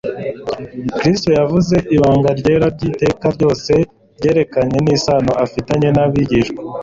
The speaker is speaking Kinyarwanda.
Kristo yavuze ibanga ryera ry'iteka ryose ryerekeranye n'isano afitanye n'abigishwa.